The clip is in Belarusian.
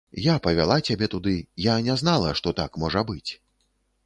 Я павяла цябе туды, я не знала, што так можа быць.